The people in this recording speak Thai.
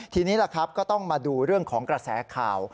ทีนี้ก็ต้องมาดูเรื่องของกระแสข่าว